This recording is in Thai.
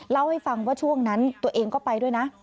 เล่าให้ฟังว่าช่วงนั้นตัวเองก็ไปด้วยนะ